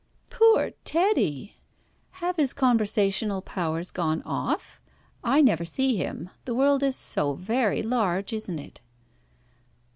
"Poor Teddy! Have his conversational powers gone off? I never see him. The world is so very large, isn't it?"